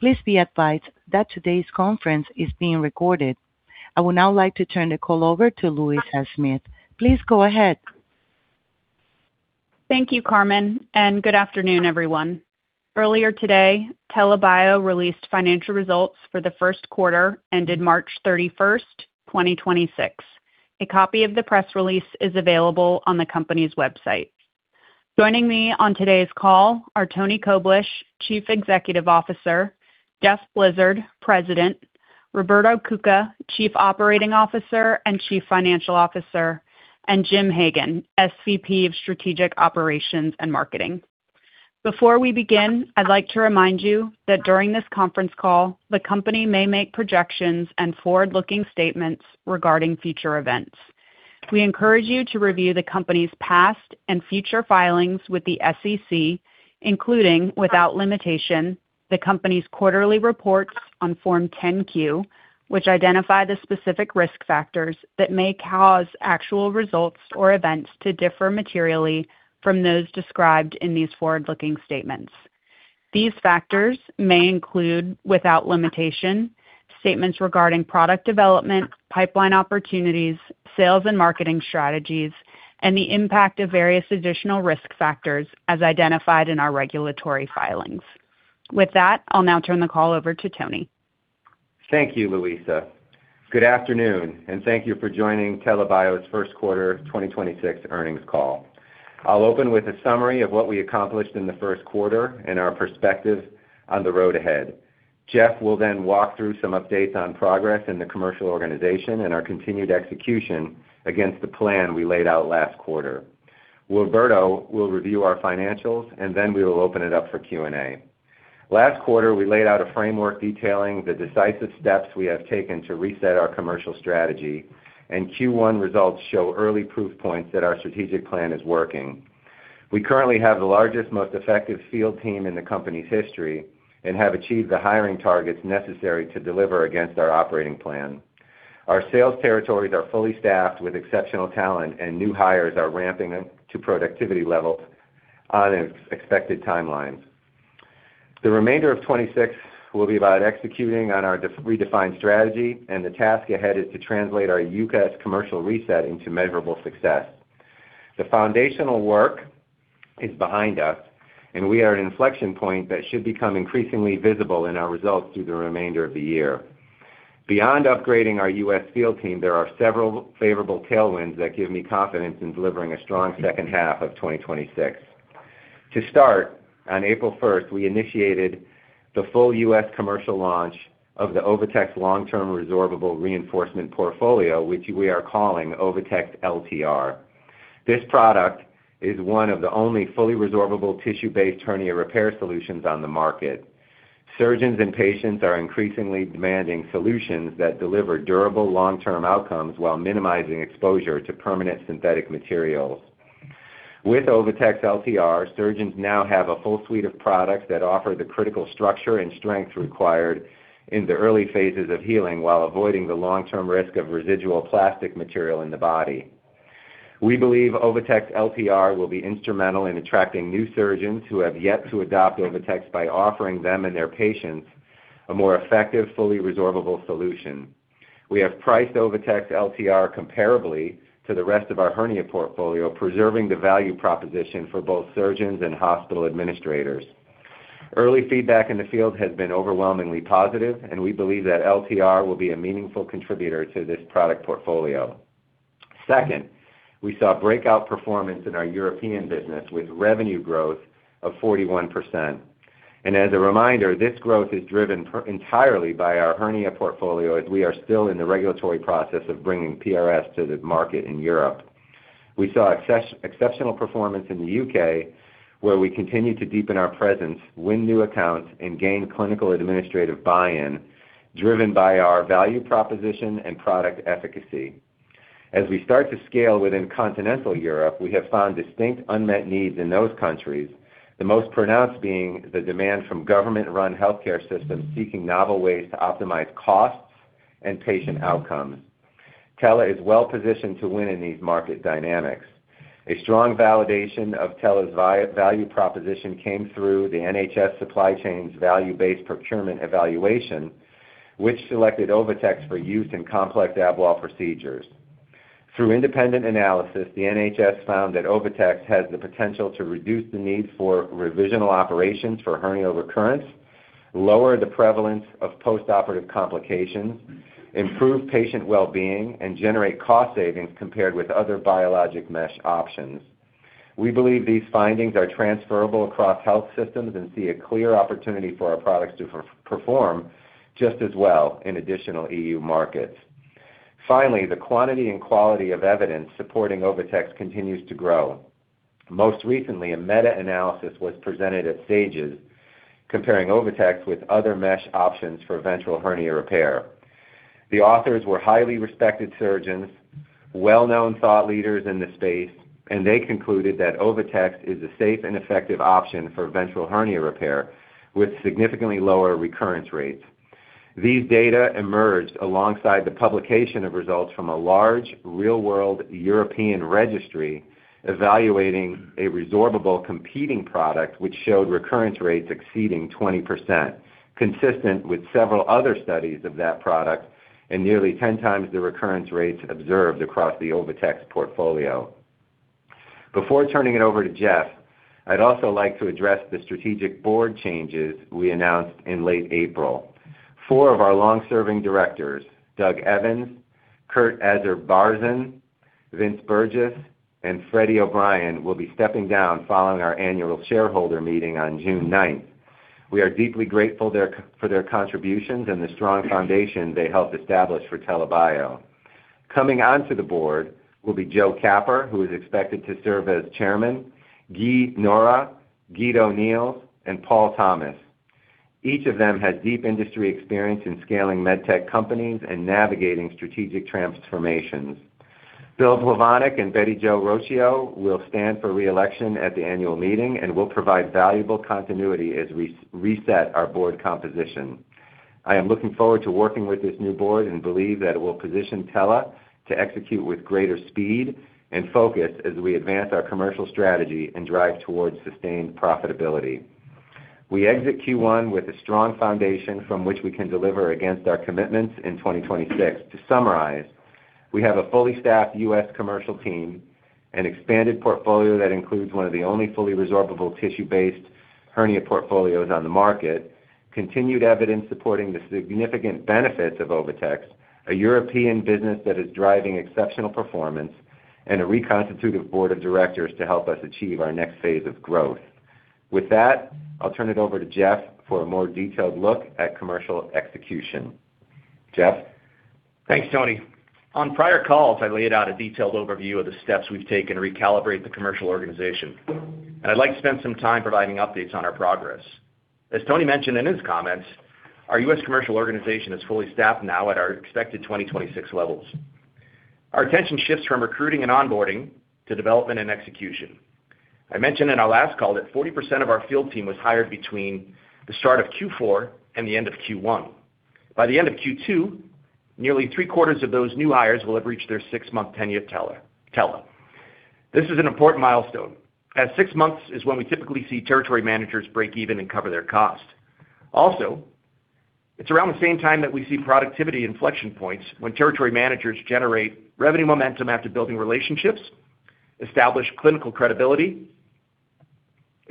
Please be advised that today's conference is being recorded. I would now like to turn the call over to Louisa Smith. Please go ahead. Thank you, Carmen, and good afternoon, everyone. Earlier today, TELA Bio released financial results for the first quarter, ended March 31st, 2026. A copy of the press release is available on the company's website. Joining me on today's call are Tony Koblish, Chief Executive Officer; Jeff Blizard, President; Roberto Cuca, Chief Operating Officer and Chief Financial Officer; and Jim Hagen, SVP of Strategic Operations and Marketing. Before we begin, I'd like to remind you that during this conference call, the company may make projections and forward-looking statements regarding future events. We encourage you to review the company's past and future filings with the SEC, including, without limitation, the company's quarterly reports on Form 10-Q, which identify the specific risk factors that may cause actual results or events to differ materially from those described in these forward-looking statements. These factors may include, without limitation, statements regarding product development, pipeline opportunities, sales and marketing strategies, and the impact of various additional risk factors as identified in our regulatory filings. With that, I'll now turn the call over to Tony. Thank you, Louisa. Good afternoon, and thank you for joining TELA Bio's First Quarter 2026 Earnings Call. I'll open with a summary of what we accomplished in the first quarter and our perspective on the road ahead. Jeff will then walk through some updates on progress in the commercial organization and our continued execution against the plan we laid out last quarter. Roberto will review our financials, and then we will open it up for Q&A. Last quarter, we laid out a framework detailing the decisive steps we have taken to reset our commercial strategy, and Q1 results show early proof points that our strategic plan is working. We currently have the largest, most effective field team in the company's history and have achieved the hiring targets necessary to deliver against our operating plan. Our sales territories are fully staffed with exceptional talent, and new hires are ramping up to productivity levels on expected timelines. The remainder of 2026 will be about executing on our redefined strategy, and the task ahead is to translate our U.S. commercial reset into measurable success. The foundational work is behind us, and we are at an inflection point that should become increasingly visible in our results through the remainder of the year. Beyond upgrading our U.S. field team, there are several favorable tailwinds that give me confidence in delivering a strong second half of 2026. To start, on April 1st, we initiated the full U.S. commercial launch of the OviTex long-term resorbable reinforcement portfolio, which we are calling OviTex LTR. This product is one of the only fully resorbable tissue-based hernia repair solutions on the market. Surgeons and patients are increasingly demanding solutions that deliver durable long-term outcomes while minimizing exposure to permanent synthetic materials. With OviTex LTR, surgeons now have a full suite of products that offer the critical structure and strength required in the early phases of healing while avoiding the long-term risk of residual plastic material in the body. We believe OviTex LTR will be instrumental in attracting new surgeons who have yet to adopt OviTex by offering them and their patients a more effective, fully resorbable solution. We have priced OviTex LTR comparably to the rest of our hernia portfolio, preserving the value proposition for both surgeons and hospital administrators. Early feedback in the field has been overwhelmingly positive, and we believe that LTR will be a meaningful contributor to this product portfolio. Second, we saw breakout performance in our European business with revenue growth of 41%. As a reminder, this growth is driven entirely by our hernia portfolio, as we are still in the regulatory process of bringing PRS to the market in Europe. We saw exceptional performance in the U.K., where we continue to deepen our presence, win new accounts, and gain clinical administrative buy-in, driven by our value proposition and product efficacy. As we start to scale within continental Europe, we have found distinct unmet needs in those countries, the most pronounced being the demand from government-run healthcare systems seeking novel ways to optimize costs and patient outcomes. TELA is well-positioned to win in these market dynamics. A strong validation of TELA's value proposition came through the NHS supply chain's value-based procurement evaluation, which selected OviTex for use in complex ab wall procedures. Through independent analysis, the NHS found that OviTex has the potential to reduce the need for revisional operations for hernia recurrence, lower the prevalence of postoperative complications, improve patient well-being, and generate cost savings compared with other biologic mesh options. We believe these findings are transferable across health systems and see a clear opportunity for our products to perform just as well in additional EU markets. Finally, the quantity and quality of evidence supporting OviTex continues to grow. Most recently, a meta-analysis was presented at SAGES comparing OviTex with other mesh options for ventral hernia repair. The authors were highly respected surgeons, well-known thought leaders in this space, and they concluded that OviTex is a safe and effective option for ventral hernia repair with significantly lower recurrence rates. These data emerged alongside the publication of results from a large real-world European registry evaluating a resorbable competing product which showed recurrence rates exceeding 20%, consistent with several other studies of that product and nearly 10 times the recurrence rates observed across the OviTex portfolio. Before turning it over to Jeff, I'd also like to address the strategic board changes we announced in late April. Four of our long-serving directors, Doug Evans, Kurt Azarbarzin, Vince Burgess, and Freddy O'Brien, will be stepping down following our annual shareholder meeting on June 9th. We are deeply grateful for their contributions and the strong foundation they helped establish for TELA Bio. Coming onto the board will be Joe Capper, who is expected to serve as chairman, Guy Nohra, Guido Neels, and Paul Thomas. Each of them has deep industry experience in scaling medtech companies and navigating strategic transformations. William Plovanic and Betty Jo Rocchio will stand for re-election at the annual meeting and will provide valuable continuity as we reset our board composition. I am looking forward to working with this new board and believe that it will position TELA Bio to execute with greater speed and focus as we advance our commercial strategy and drive towards sustained profitability. We exit Q1 with a strong foundation from which we can deliver against our commitments in 2026. To summarize, we have a fully staffed U.S. commercial team, an expanded portfolio that includes one of the only fully resorbable tissue-based hernia portfolios on the market, continued evidence supporting the significant benefits of OviTex, a European business that is driving exceptional performance, and a reconstituted board of directors to help us achieve our next phase of growth. With that, I'll turn it over to Jeff for a more detailed look at commercial execution. Jeff? Thanks, Tony. On prior calls, I laid out a detailed overview of the steps we've taken to recalibrate the commercial organization. I'd like to spend some time providing updates on our progress. As Tony mentioned in his comments, our U.S. commercial organization is fully staffed now at our expected 2026 levels. Our attention shifts from recruiting and onboarding to development and execution. I mentioned in our last call that 40% of our field team was hired between the start of Q4 and the end of Q1. By the end of Q2, nearly three-quarters of those new hires will have reached their six-month tenure at TELA. This is an important milestone as 6 months is when we typically see territory managers break even and cover their cost. It's around the same time that we see productivity inflection points when territory managers generate revenue momentum after building relationships, establish clinical credibility,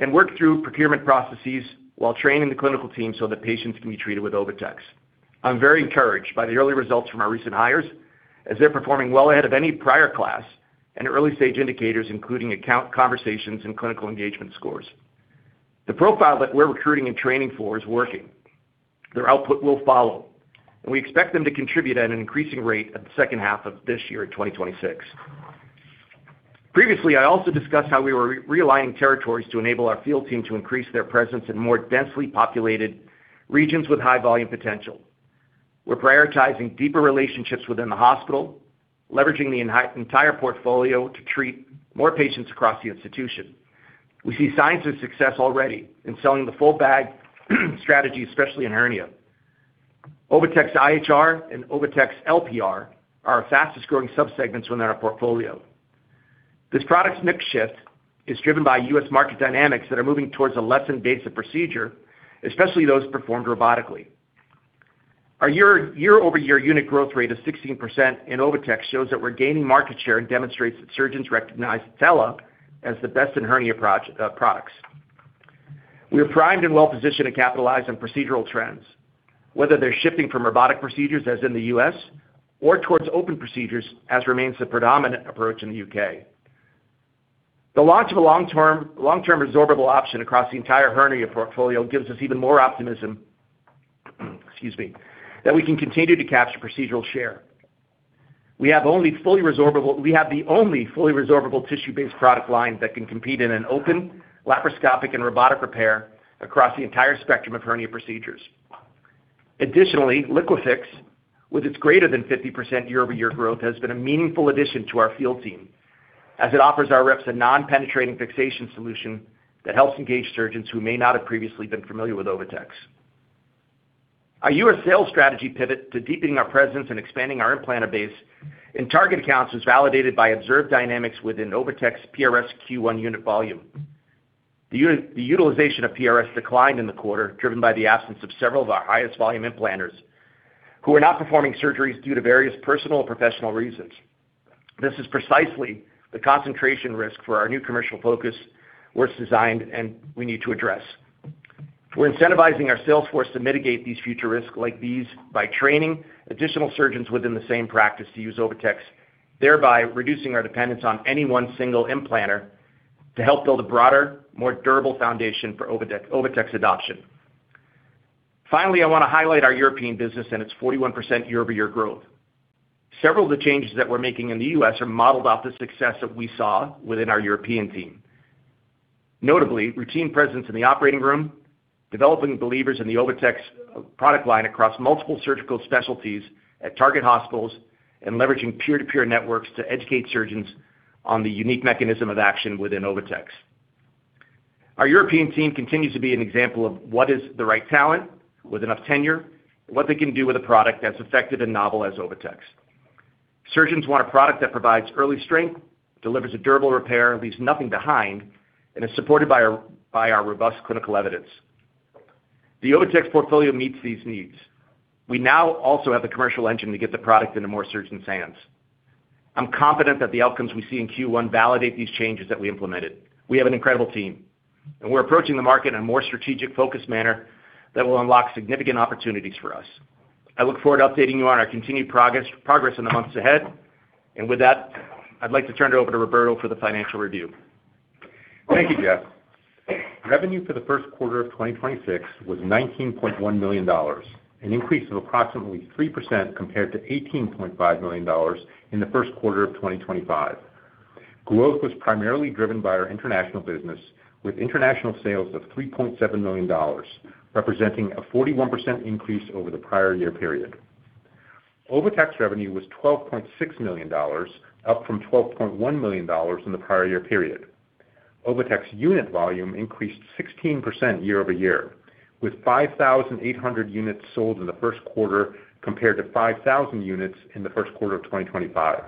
and work through procurement processes while training the clinical team so that patients can be treated with OviTex. I'm very encouraged by the early results from our recent hires as they're performing well ahead of any prior class and early-stage indicators, including account conversations and clinical engagement scores. The profile that we're recruiting and training for is working. Their output will follow. We expect them to contribute at an increasing rate at the second half of this year in 2026. Previously, I also discussed how we were realigning territories to enable our field team to increase their presence in more densely populated regions with high volume potential. We're prioritizing deeper relationships within the hospital, leveraging the entire portfolio to treat more patients across the institution. We see signs of success already in selling the full bag strategy, especially in hernia. OviTex IHR and OviTex LPR are our fastest-growing subsegments within our portfolio. This product mix shift is driven by U.S. market dynamics that are moving towards a less invasive procedure, especially those performed robotically. Our year-over-year unit growth rate of 16% in OviTex shows that we're gaining market share and demonstrates that surgeons recognize TELA as the best in hernia products. We are primed and well-positioned to capitalize on procedural trends, whether they're shifting from robotic procedures as in the U.S. or towards open procedures as remains the predominant approach in the U.K. The launch of a long-term resorbable option across the entire hernia portfolio gives us even more optimism, excuse me, that we can continue to capture procedural share. We have the only fully resorbable tissue-based product line that can compete in an open laparoscopic and robotic repair across the entire spectrum of hernia procedures. Additionally, LIQUIFIX, with its greater than 50% year-over-year growth, has been a meaningful addition to our field team, as it offers our reps a non-penetrating fixation solution that helps engage surgeons who may not have previously been familiar with OviTex. Our U.S. sales strategy pivot to deepening our presence and expanding our implanter base and target accounts was validated by observed dynamics within OviTex PRS Q1 unit volume. The utilization of PRS declined in the quarter, driven by the absence of several of our highest volume implanters who are not performing surgeries due to various personal or professional reasons. This is precisely the concentration risk for our new commercial focus was designed and we need to address. We're incentivizing our sales force to mitigate these future risks like these by training additional surgeons within the same practice to use OviTex, thereby reducing our dependence on any one single implanter to help build a broader, more durable foundation for OviTex adoption. Finally, I want to highlight our European business and its 41% year-over-year growth. Several of the changes that we're making in the U.S. are modeled off the success that we saw within our European team. Notably, routine presence in the operating room, developing believers in the OviTex product line across multiple surgical specialties at target hospitals, and leveraging peer-to-peer networks to educate surgeons on the unique mechanism of action within OviTex. Our European team continues to be an example of what is the right talent with enough tenure, what they can do with a product that's effective and novel as OviTex. Surgeons want a product that provides early strength, delivers a durable repair, leaves nothing behind, and is supported by our robust clinical evidence. The OviTex portfolio meets these needs. We now also have the commercial engine to get the product into more surgeons' hands. I'm confident that the outcomes we see in Q1 validate these changes that we implemented. We have an incredible team. We're approaching the market in a more strategic, focused manner that will unlock significant opportunities for us. I look forward to updating you on our continued progress in the months ahead. With that, I'd like to turn it over to Roberto for the financial review. Thank you, Jeff. Revenue for the first quarter of 2026 was $19.1 million, an increase of approximately 3% compared to $18.5 million in the first quarter of 2025. Growth was primarily driven by our international business, with international sales of $3.7 million, representing a 41% increase over the prior year period. OviTex revenue was $12.6 million, up from $12.1 million in the prior year period. OviTex unit volume increased 16% year-over-year, with 5,800 units sold in the first quarter compared to 5,000 units in the first quarter of 2025.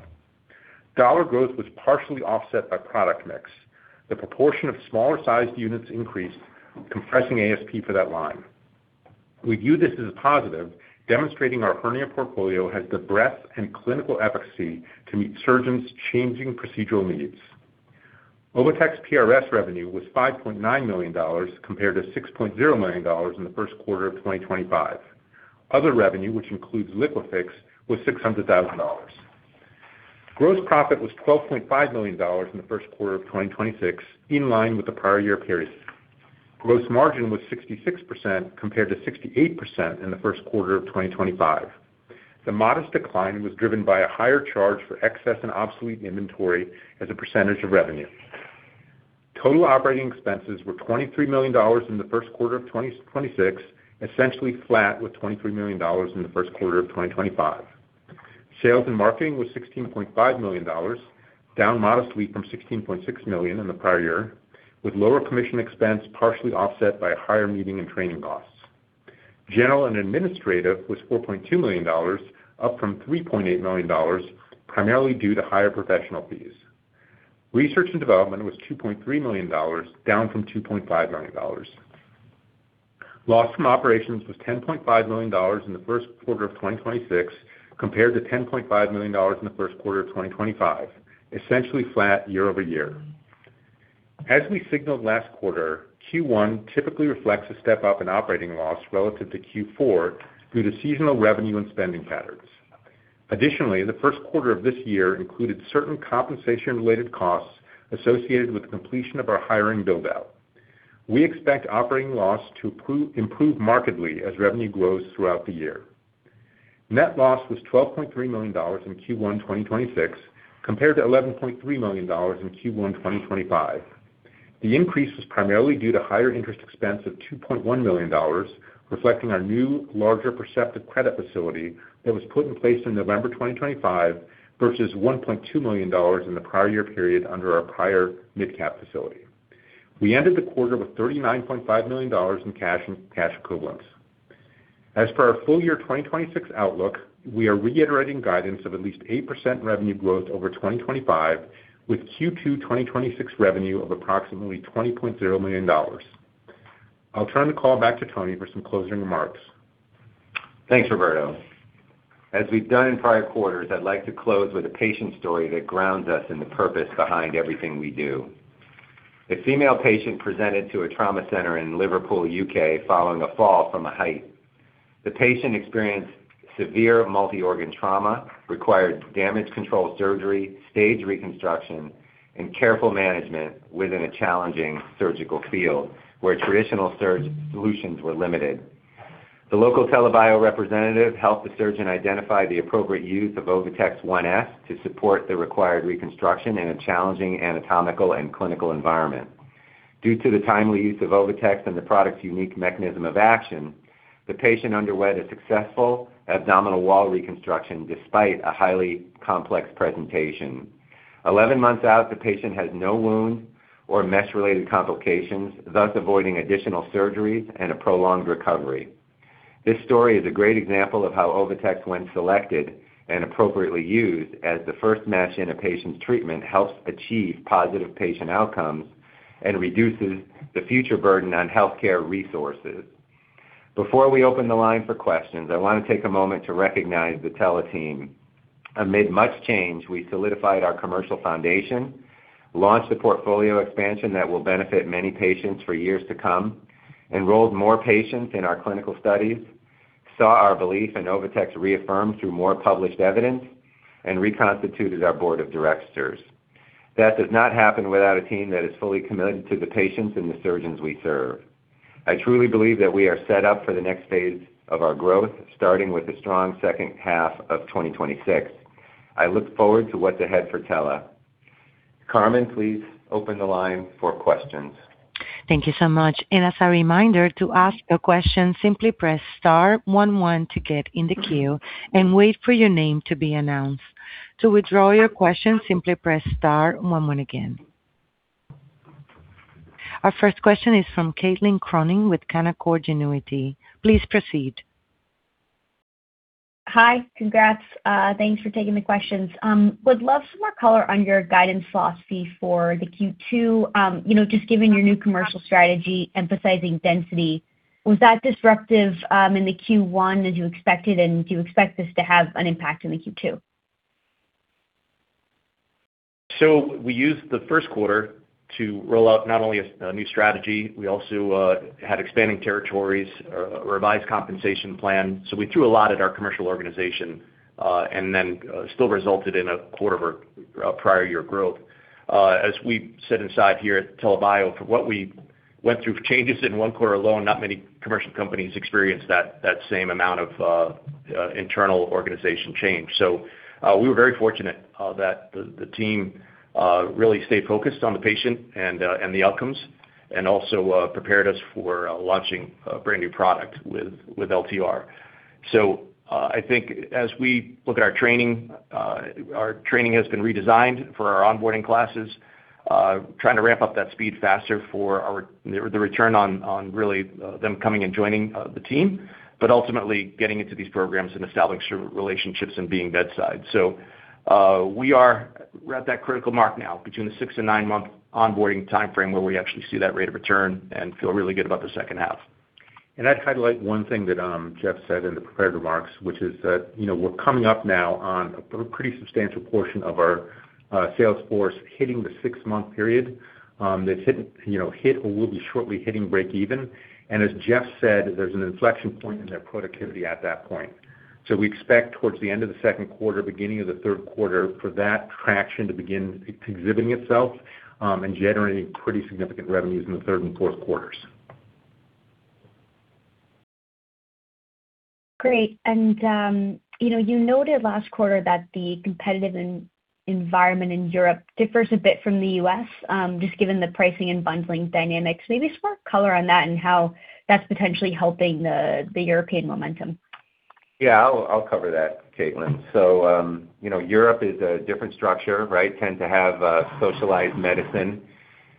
Dollar growth was partially offset by product mix. The proportion of smaller-sized units increased, compressing ASP for that line. We view this as a positive, demonstrating our hernia portfolio has the breadth and clinical efficacy to meet surgeons' changing procedural needs. OviTex PRS revenue was $5.9 million compared to $6.0 million in the first quarter of 2025. Other revenue, which includes LIQUIFIX, was $600,000. Gross profit was $12.5 million in the first quarter of 2026, in line with the prior year period. Gross margin was 66% compared to 68% in the first quarter of 2025. The modest decline was driven by a higher charge for excess and obsolete inventory as a percentage of revenue. Total operating expenses were $23 million in the first quarter of 2026, essentially flat with $23 million in the first quarter of 2025. Sales and marketing was $16.5 million, down modestly from $16.6 million in the prior year, with lower commission expense partially offset by higher meeting and training costs. General and administrative was $4.2 million, up from $3.8 million, primarily due to higher professional fees. Research and development was $2.3 million, down from $2.5 million. Loss from operations was $10.5 million in the first quarter of 2026 compared to $10.5 million in the first quarter of 2025, essentially flat year-over-year. As we signaled last quarter, Q1 typically reflects a step-up in operating loss relative to Q4 due to seasonal revenue and spending patterns. The first quarter of this year included certain compensation-related costs associated with the completion of our hiring build-out. We expect operating loss to improve markedly as revenue grows throughout the year. Net loss was $12.3 million in Q1 2026 compared to $11.3 million in Q1 2025. The increase was primarily due to higher interest expense of $2.1 million, reflecting our new larger Perceptive credit facility that was put in place in November 2025 versus $1.2 million in the prior year period under our prior MidCap facility. We ended the quarter with $39.5 million in cash and cash equivalents. As for our full year 2026 outlook, we are reiterating guidance of at least 8% revenue growth over 2025 with Q2 2026 revenue of approximately $20.0 million. I'll turn the call back to Tony for some closing remarks. Thanks, Roberto. As we've done in prior quarters, I'd like to close with a patient story that grounds us in the purpose behind everything we do. A female patient presented to a trauma center in Liverpool, U.K., following a fall from a height. The patient experienced severe multi-organ trauma, required damage control surgery, staged reconstruction, and careful management within a challenging surgical field where traditional surge solutions were limited. The local TELA Bio representative helped the surgeon identify the appropriate use of OviTex 1S to support the required reconstruction in a challenging anatomical and clinical environment. Due to the timely use of OviTex and the product's unique mechanism of action, the patient underwent a successful abdominal wall reconstruction despite a highly complex presentation. 11 months out, the patient has no wound or mesh-related complications, thus avoiding additional surgeries and a prolonged recovery. This story is a great example of how OviTex, when selected and appropriately used as the first mesh in a patient's treatment, helps achieve positive patient outcomes and reduces the future burden on healthcare resources. Before we open the line for questions, I want to take a moment to recognize the TELA team. Amid much change, we solidified our commercial foundation, launched a portfolio expansion that will benefit many patients for years to come, enrolled more patients in our clinical studies, saw our belief in OviTex reaffirmed through more published evidence, and reconstituted our board of directors. That does not happen without a team that is fully committed to the patients and the surgeons we serve. I truly believe that we are set up for the next phase of our growth, starting with a strong second half of 2026. I look forward to what's ahead for TELA. Carmen, please open the line for questions. Thank you so much. As a reminder, to ask a question, simply press star one one to get in the queue and wait for your name to be announced. To withdraw your question, simply press star one one again. Our first question is from Caitlin Cronin with Canaccord Genuity. Please proceed. Hi. Congrats. Thanks for taking the questions. Would love some more color on your guidance philosophy for the Q2. You know, just giving your new commercial strategy emphasizing density, was that disruptive in the Q1 as you expected, and do you expect this to have an impact in the Q2? We used the first quarter to roll out not only a new strategy, we also had expanding territories, a revised compensation plan. We threw a lot at our commercial organization, and then still resulted in a quarter-over-prior-year growth. As we sit inside here at TELA Bio, from what we went through changes in one quarter alone, not many commercial companies experience that same amount of internal organization change. We were very fortunate that the team really stayed focused on the patient and the outcomes, and also prepared us for launching a brand new product with LTR. I think as we look at our training, our training has been redesigned for our onboarding classes, trying to ramp up that speed faster for our the return on really them coming and joining the team, but ultimately getting into these programs and establishing relationships and being bedside. We're at that critical mark now between the six and nine-month onboarding timeframe where we actually see that rate of return and feel really good about the second half. I'd highlight one thing that Jeff said in the prepared remarks, which is that, you know, we're coming up now on a pretty substantial portion of our sales force hitting the six-month period that's hit or will be shortly hitting breakeven. As Jeff said, there's an inflection point in their productivity at that point. We expect towards the end of the second quarter, beginning of the third quarter for that traction to begin exhibiting itself and generating pretty significant revenues in the third and fourth quarters. Great. You know, you noted last quarter that the competitive environment in Europe differs a bit from the U.S., just given the pricing and bundling dynamics. Maybe some more color on that and how that's potentially helping the European momentum. Yeah, I'll cover that, Caitlin. You know, Europe is a different structure, right? Tend to have socialized medicine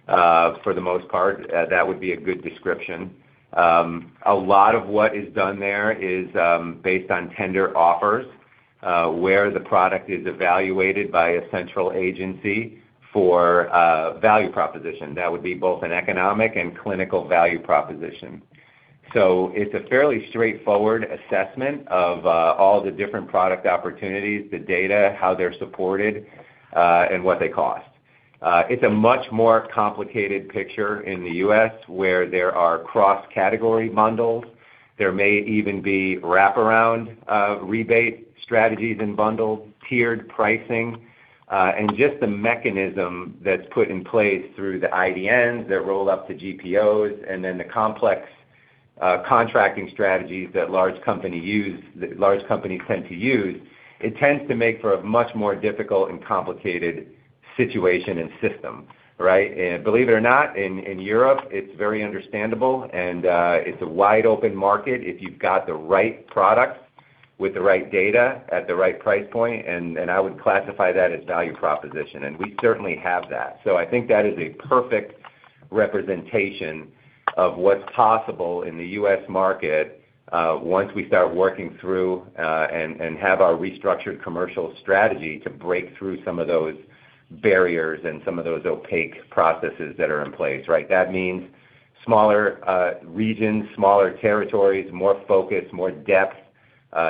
for the most part. That would be a good description. A lot of what is done there is based on tender offers, where the product is evaluated by a central agency for a value proposition that would be both an economic and clinical value proposition. It's a fairly straightforward assessment of all the different product opportunities, the data, how they're supported, and what they cost. It's a much more complicated picture in the U.S. where there are cross-category bundles. There may even be wraparound rebate strategies and bundles, tiered pricing, and just the mechanism that's put in place through the IDNs that roll up to GPOs and then the complex contracting strategies that large companies tend to use. It tends to make for a much more difficult and complicated situation and system, right? Believe it or not, in Europe, it's very understandable and it's a wide open market if you've got the right product with the right data at the right price point. I would classify that as value proposition, and we certainly have that. I think that is a perfect representation of what's possible in the U.S. market, once we start working through, and have our restructured commercial strategy to break through some of those barriers and some of those opaque processes that are in place, right? That means smaller regions, smaller territories, more focus, more depth,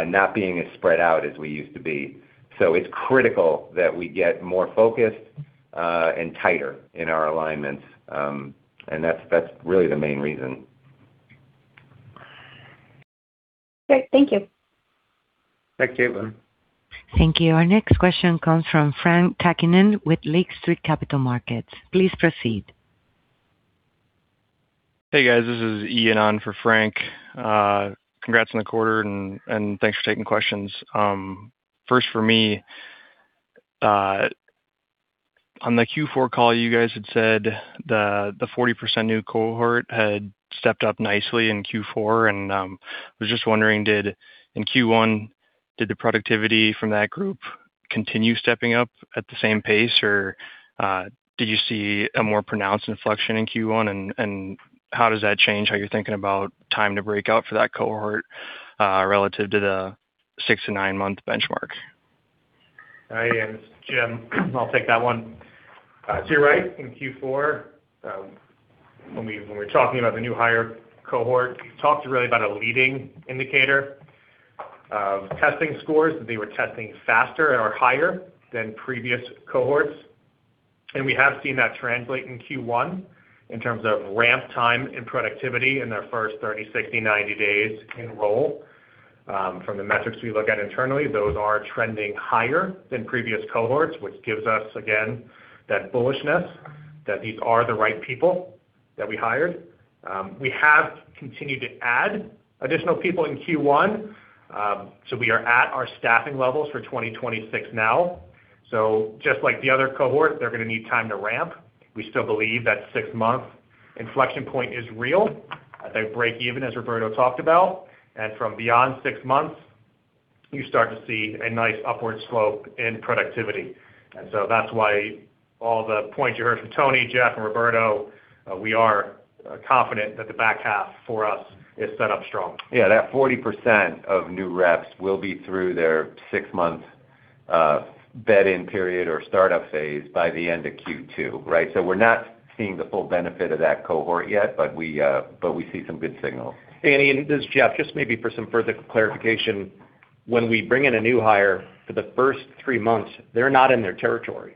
not being as spread out as we used to be. It's critical that we get more focused and tighter in our alignments. And that's really the main reason. Great. Thank you. Thanks, Caitlin. Thank you. Our next question comes from Frank Takkinen with Lake Street Capital Markets. Please proceed. Hey, guys. This is Ian on for Frank. Congrats on the quarter and thanks for taking questions. First for me, on the Q4 call, you guys had said the 40% new cohort had stepped up nicely in Q4. Was just wondering, in Q1, did the productivity from that group continue stepping up at the same pace? Do you see a more pronounced inflection in Q1? How does that change how you're thinking about time to break out for that cohort, relative to the six-nine month benchmark? Hi, Ian. This is Jim. I'll take that one. You're right, in Q4, when we're talking about the new hire cohort, we've talked really about a leading indicator of testing scores, that they were testing faster or higher than previous cohorts. We have seen that translate in Q1 in terms of ramp time and productivity in their first 30, 60, 90 days in role. From the metrics we look at internally, those are trending higher than previous cohorts, which gives us, again, that bullishness that these are the right people that we hired. We have continued to add additional people in Q1. We are at our staffing levels for 2026 now. Just like the other cohort, they're gonna need time to ramp. We still believe that 6-month inflection point is real. At that break even, as Roberto talked about, and from beyond six months, you start to see a nice upward slope in productivity. That's why all the points you heard from Tony, Jeff, and Roberto, we are confident that the back half for us is set up strong. Yeah. That 40% of new reps will be through their 6 months, bed-in period or startup phase by the end of Q2, right? We're not seeing the full benefit of that cohort yet, but we see some good signals. Hey, Ian, this is Jeff. Just maybe for some further clarification. When we bring in a new hire for the first three months, they're not in their territory.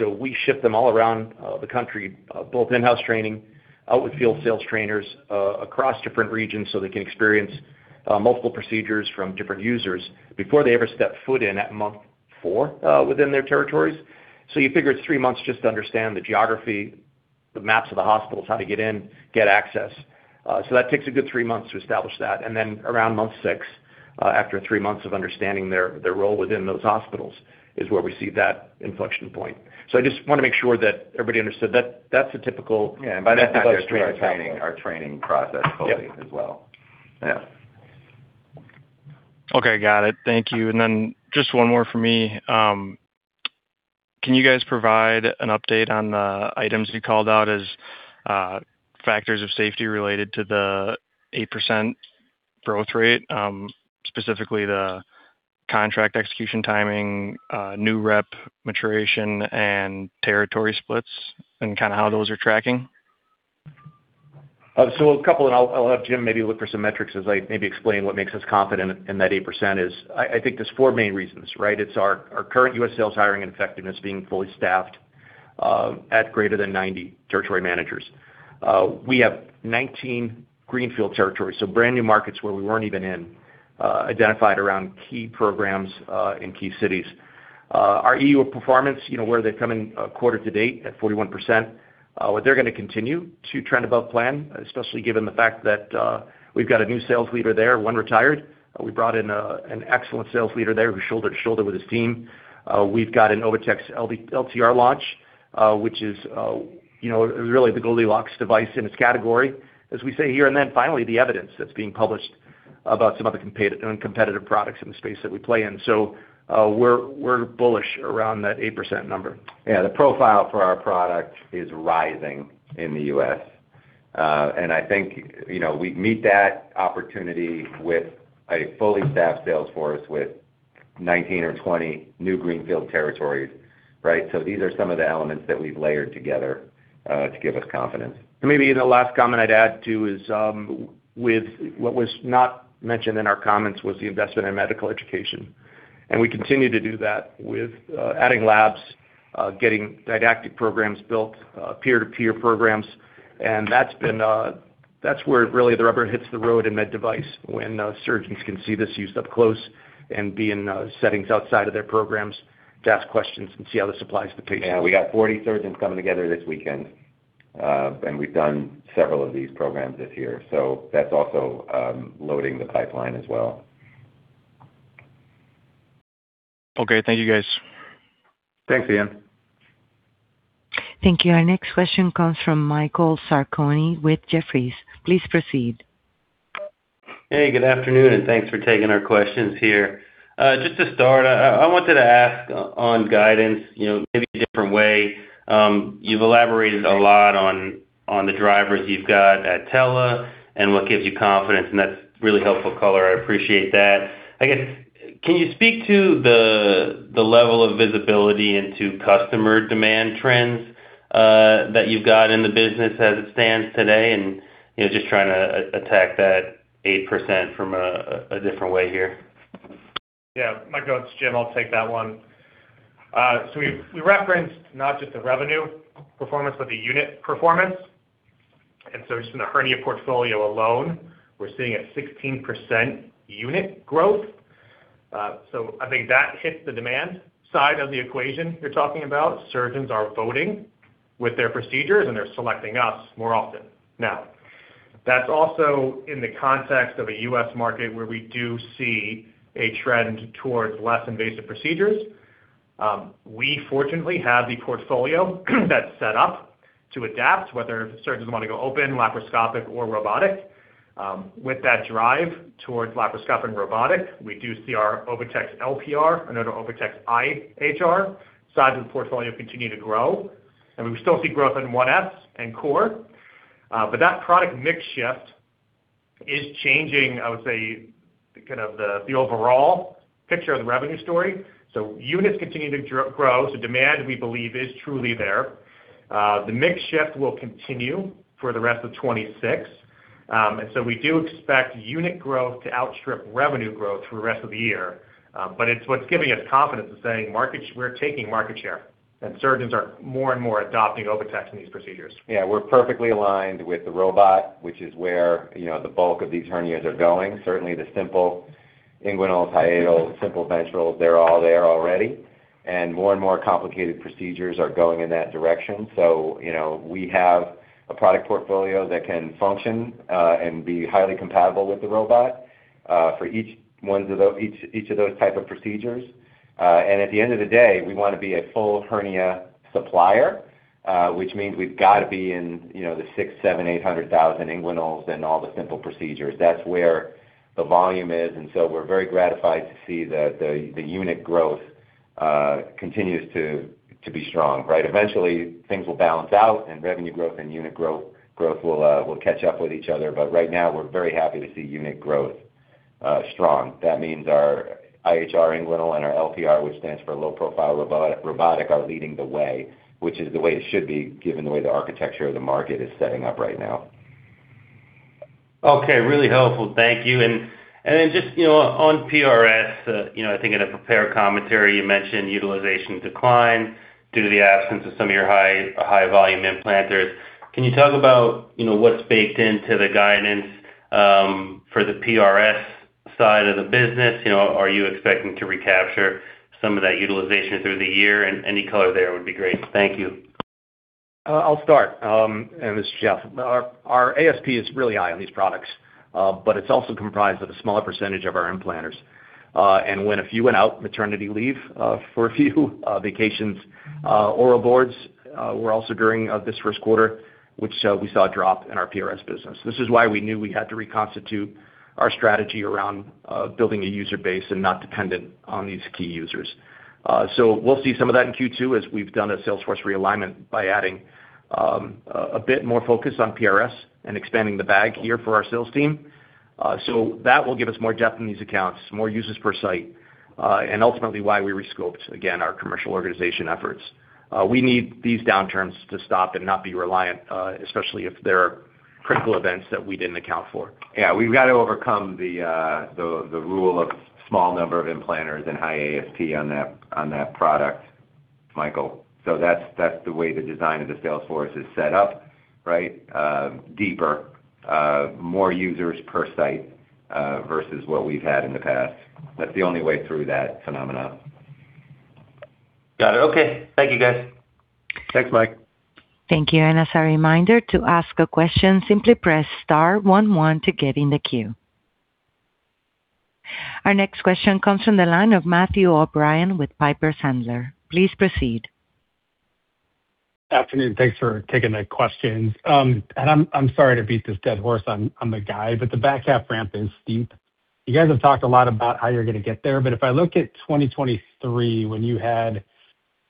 We ship them all around the country, both in-house training, out with field sales trainers, across different regions so they can experience multiple procedures from different users before they ever step foot in at month four within their territories. You figure it's three months just to understand the geography, the maps of the hospitals, how to get in, get access. That takes a good three months to establish that. And then around month six, after three months of understanding their role within those hospitals, is where we see that inflection point. I just want to make sure that everybody understood that that's a typical- Yeah. By that time, that's our training process fully as well. Yeah. Okay. Got it. Thank you. Just one more for me. Can you guys provide an update on the items you called out as factors of safety related to the 8% growth rate, specifically the contract execution timing, new rep maturation, and territory splits, and kinda how those are tracking? A couple, and I'll have Jim maybe look for some metrics as I maybe explain what makes us confident in that 8% is I think there's four main reasons, right? It's our current U.S. sales hiring and effectiveness being fully staffed at greater than 90 territory managers. We have 19 greenfield territories, so brand new markets where we weren't even in, identified around key programs in key cities. Our EU performance, you know, where they've come in quarter to date at 41%, where they're gonna continue to trend above plan, especially given the fact that we've got a new sales leader there, one retired. We brought in an excellent sales leader there who's shoulder to shoulder with his team. We've got an OviTex LTR launch, which is, you know, really the Goldilocks device in its category, as we say here. Finally, the evidence that's being published about some other competitive products in the space that we play in. We're bullish around that 8% number. Yeah. The profile for our product is rising in the U.S. I think, you know, we meet that opportunity with a fully staffed sales force with 19 or 20 new greenfield territories, right? These are some of the elements that we've layered together to give us confidence. Maybe the last comment I'd add, too, is, with what was not mentioned in our comments was the investment in medical education. We continue to do that with adding labs, getting didactic programs built, peer-to-peer programs. That's been, that's where really the rubber hits the road in med device when surgeons can see this used up close and be in settings outside of their programs to ask questions and see how this applies to patients. Yeah. We got 40 surgeons coming together this weekend. We've done several of these programs this year. That's also loading the pipeline as well. Okay. Thank you, guys. Thanks, Ian. Thank you. Our next question comes from Michael Sarcone with Jefferies. Please proceed. Hey, good afternoon. Thanks for taking our questions here. Just to start, I wanted to ask on guidance, you know, maybe a different way. You've elaborated a lot on the drivers you've got at TELA and what gives you confidence, and that's really helpful color. I appreciate that. I guess, can you speak to the level of visibility into customer demand trends that you've got in the business as it stands today? You know, just trying to attack that 8% from a different way here. Yeah. Michael, it's Jim. I'll take that one. We referenced not just the revenue performance, but the unit performance. Just in the hernia portfolio alone, we're sitting at 16% unit growth. I think that hits the demand side of the equation you're talking about. Surgeons are voting with their procedures, they're selecting us more often now. That's also in the context of a U.S. market where we do see a trend towards less invasive procedures. We fortunately have the portfolio that's set up to adapt, whether surgeons wanna go open, laparoscopic, or robotic. With that drive towards laparoscopic robotic, we do see our OviTex LPR and OviTex IHR sides of the portfolio continue to grow. We still see growth in OviTex 1S and core. But that product mix shift is changing, I would say, kind of the overall picture of the revenue story. Units continue to grow. Demand, we believe, is truly there. The mix shift will continue for the rest of 2026. We do expect unit growth to outstrip revenue growth through the rest of the year. It's what's giving us confidence in saying we're taking market share, and surgeons are more and more adopting OviTex in these procedures. Yeah. We're perfectly aligned with the robot, which is where, you know, the bulk of these hernias are going. Certainly, the simple inguinals, hiatals, simple ventral, they're all there already. More and more complicated procedures are going in that direction. We have a product portfolio that can function and be highly compatible with the robot for each of those type of procedures. At the end of the day, we wanna be a full hernia supplier. Which means we've gotta be in, you know, the 600,000, 700,000, 800,000 inguinal and all the simple procedures. That's where the volume is. We're very gratified to see that the unit growth continues to be strong, right? Eventually, things will balance out and revenue growth and unit growth will catch up with each other. Right now, we're very happy to see unit growth strong. That means our OviTex IHR and our LPR, which stands for low profile robotic, are leading the way, which is the way it should be given the way the architecture of the market is setting up right now. Okay. Really helpful. Thank you. Then just, you know, on PRS, you know, I think in a prepared commentary, you mentioned utilization decline due to the absence of some of your high volume implanters. Can you talk about, you know, what's baked into the guidance for the PRS side of the business? You know, are you expecting to recapture some of that utilization through the year? Any color there would be great. Thank you. I'll start. This is Jeff. Our ASP is really high on these products, but it's also comprised of a smaller percentage of our implanters. When a few went out maternity leave, for a few vacations, oral boards were also during this first quarter, which we saw a drop in our PRS business. This is why we knew we had to reconstitute our strategy around building a user base and not dependent on these key users. We'll see some of that in Q2 as we've done a sales force realignment by adding a bit more focus on PRS and expanding the bag here for our sales team. That will give us more depth in these accounts, more users per site, and ultimately why we resculpt, again, our commercial organization efforts. We need these downturns to stop and not be reliant, especially if there are critical events that we didn't account for. Yeah, we've got to overcome the rule of small number of implanters and high ASP on that, on that product, Michael. That's the way the design of the sales force is set up, right? Deeper, more users per site, versus what we've had in the past. That's the only way through that phenomena. Got it. Okay. Thank you, guys. Thanks, Mike. Thank you. As a reminder, to ask a question, simply press star one one to get in the queue. Our next question comes from the line of Matthew O'Brien with Piper Sandler. Please proceed. Afternoon. Thanks for taking the questions. I'm sorry to beat this dead horse. I'm the guy, the back half ramp is steep. You guys have talked a lot about how you're gonna get there, if I look at 2023 when you had,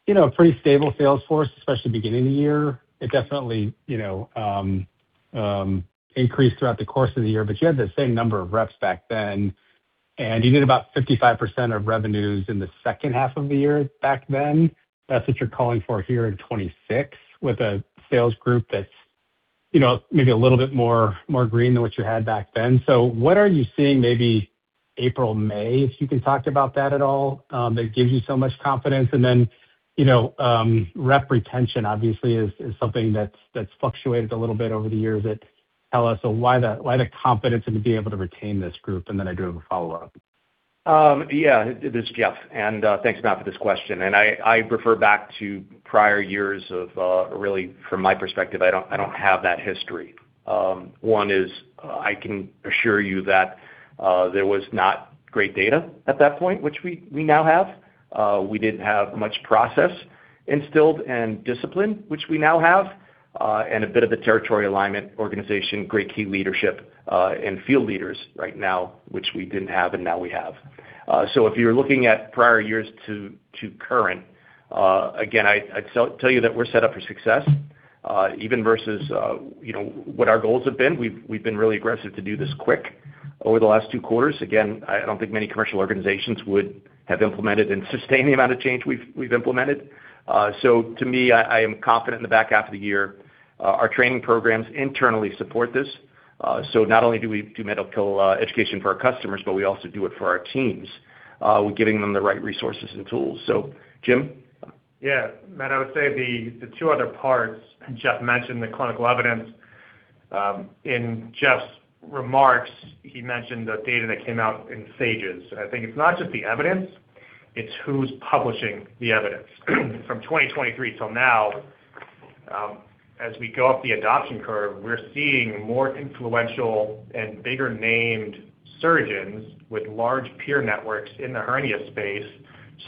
you know, a pretty stable sales force, especially beginning of the year, it definitely, you know, increased throughout the course of the year. You had the same number of reps back then, you did about 55% of revenues in the second half of the year back then. That's what you're calling for here in 2026 with a sales group that's, you know, maybe a little bit more green than what you had back then. What are you seeing maybe April, May, if you can talk about that at all, that gives you so much confidence? You know, rep retention obviously is something that's fluctuated a little bit over the years that tell us why the confidence and to be able to retain this group. I do have a follow-up. Yeah. This is Jeff. Thanks, Matt, for this question. I refer back to prior years of, really from my perspective, I do not have that history. One is, I can assure you that there was not great data at that point, which we now have. We did not have much process instilled and discipline, which we now have, and a bit of a territory alignment organization, great key leadership, and field leaders right now, which we did not have and now we have. If you are looking at prior years to current, again, I would tell you that we are set up for success, even versus, you know, what our goals have been. We have been really aggressive to do this quick over the last two quarters. Again, I don't think many commercial organizations would have implemented and sustained the amount of change we've implemented. To me, I am confident in the back half of the year. Our training programs internally support this. Not only do we do medical education for our customers, but we also do it for our teams. We're giving them the right resources and tools. Jim? Yeah. Matt, I would say the two other parts, Jeff mentioned the clinical evidence. In Jeff's remarks, he mentioned the data that came out in SAGES. I think it's not just the evidence, it's who's publishing the evidence. From 2023 till now, as we go up the adoption curve, we're seeing more influential and bigger named surgeons with large peer networks in the hernia space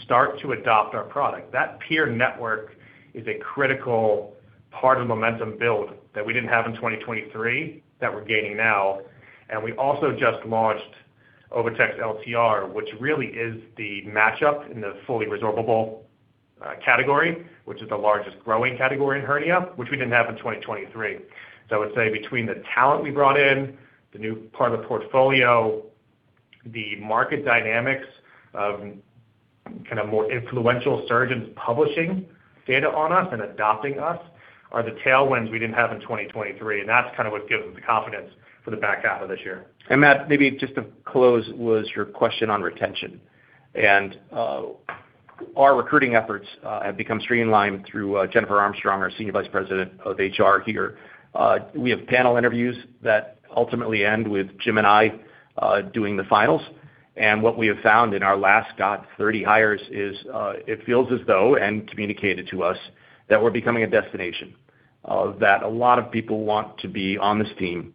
start to adopt our product. That peer network is a critical part of momentum build that we didn't have in 2023 that we're gaining now. We also just launched OviTex LTR, which really is the matchup in the fully resorbable category, which is the largest growing category in hernia, which we didn't have in 2023. I would say between the talent we brought in, the new part of the portfolio, the market dynamics of kind of more influential surgeons publishing data on us and adopting us are the tailwinds we didn't have in 2023, and that's kind of what gives the confidence for the back half of this year. Matt, maybe just to close, was your question on retention. Our recruiting efforts have become streamlined through Jennifer Armstrong, our Senior Vice President of HR here. We have panel interviews that ultimately end with Jim and I doing the finals. What we have found in our last, god, 30 hires is it feels as though and communicated to us that we're becoming a destination. That a lot of people want to be on this team,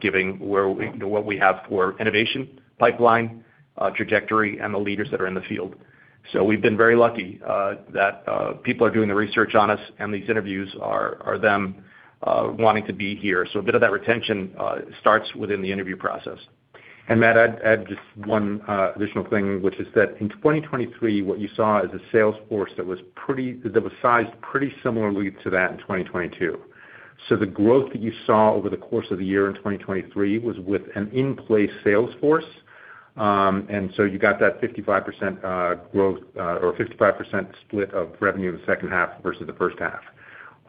giving what we have for innovation pipeline, trajectory, and the leaders that are in the field. We've been very lucky that people are doing the research on us, and these interviews are them wanting to be here. A bit of that retention starts within the interview process. Matthew, I'd add just one additional thing, which is that in 2023, what you saw is a sales force that was sized pretty similarly to that in 2022. The growth that you saw over the course of the year in 2023 was with an in-place sales force. You got that 55% growth, or 55% split of revenue in the second half versus the first half.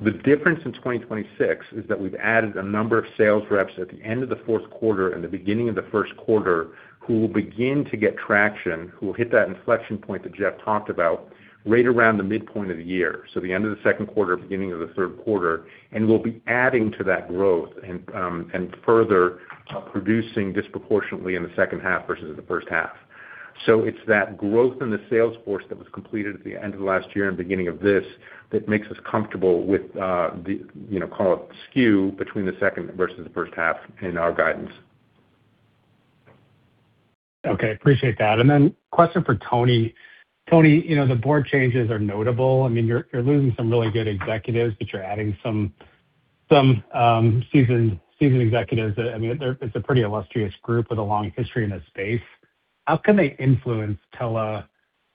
The difference in 2026 is that we've added a number of sales reps at the end of the fourth quarter and the beginning of the first quarter who will begin to get traction, who will hit that inflection point that Jeff talked about right around the midpoint of the year, so the end of the second quarter, beginning of the third quarter, and we'll be adding to that growth and further producing disproportionately in the second half versus the first half. It's that growth in the sales force that was completed at the end of last year and beginning of this that makes us comfortable with the, you know, call it skew between the second versus the 1st half in our guidance. Okay, appreciate that. Question for Tony. Tony, you know, the board changes are notable. I mean, you're losing some really good executives, but you're adding some seasoned executives. I mean, it's a pretty illustrious group with a long history in this space. How can they influence TELA,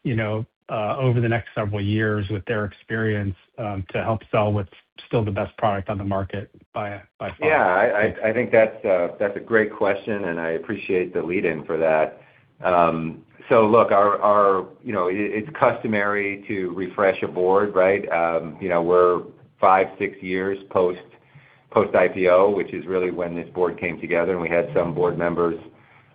you know, over the next several years with their experience to help sell what's still the best product on the market by far? Yeah, I think that's a great question, and I appreciate the lead in for that. Look, our, you know, it's customary to refresh a board, right? You know, we're five, six years post-IPO, which is really when this board came together, and we had some board members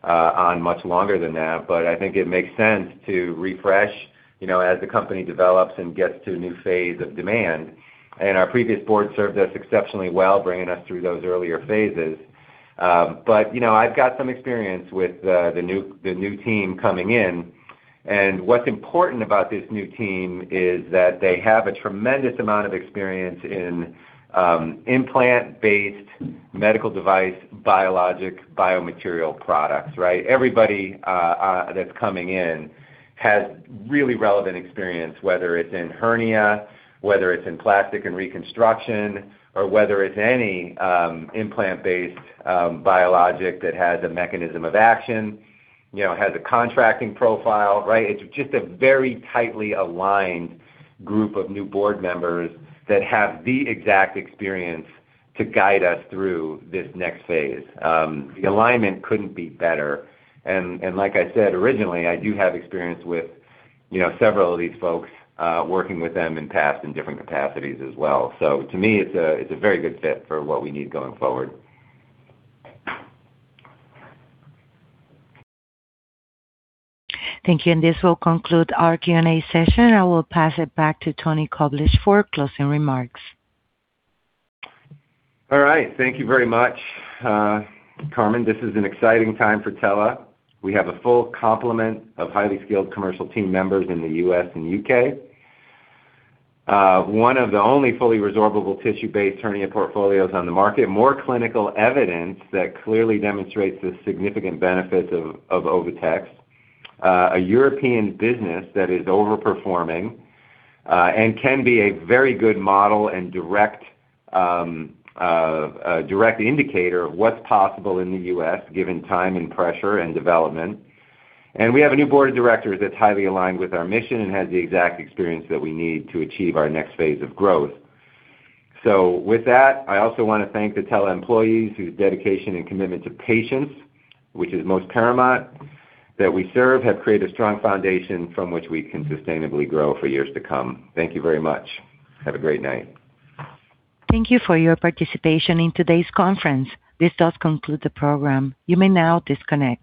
on much longer than that. I think it makes sense to refresh, you know, as the company develops and gets to a new phase of demand. Our previous board served us exceptionally well, bringing us through those earlier phases. You know, I've got some experience with the new team coming in. What's important about this new team is that they have a tremendous amount of experience in implant-based medical device, biologic, biomaterial products, right? Everybody that's coming in has really relevant experience, whether it's in hernia, whether it's in plastic and reconstruction, or whether it's any implant-based biologic that has a mechanism of action, you know, has a contracting profile, right? It's just a very tightly aligned group of new board members that have the exact experience to guide us through this next phase. The alignment couldn't be better. Like I said originally, I do have experience with, you know, several of these folks, working with them in past in different capacities as well. To me, it's a very good fit for what we need going forward. Thank you. This will conclude our Q&A session. I will pass it back to Tony Koblish for closing remarks. All right. Thank you very much, Carmen. This is an exciting time for TELA. We have a full complement of highly skilled commercial team members in the U.S. and U.K. One of the only fully resorbable tissue-based hernia portfolios on the market. More clinical evidence that clearly demonstrates the significant benefits of OviTex. A European business that is overperforming and can be a very good model and direct indicator of what's possible in the U.S. given time and pressure and development. We have a new board of directors that's highly aligned with our mission and has the exact experience that we need to achieve our next phase of growth. With that, I also wanna thank the TELA employees whose dedication and commitment to patients, which is most paramount, that we serve, have created a strong foundation from which we can sustainably grow for years to come. Thank you very much. Have a great night. Thank you for your participation in today's conference. This does conclude the program. You may now disconnect.